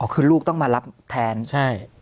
คือลูกต้องมารับแทนใช่